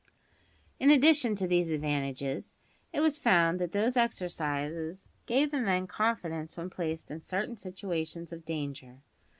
In addition to these advantages, it was found that those exercises gave the men confidence when placed in certain situations of danger.